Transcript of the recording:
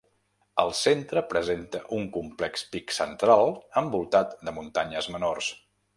Al centre presenta un complex pic central envoltat de muntanyes menors.